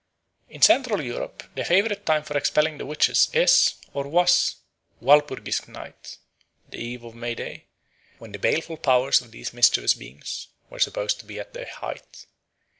In Central Europe the favourite time for expelling the witches is, or was, Walpurgis Night, the Eve of May Day, when the baleful powers of these mischievous beings were supposed to be at their height.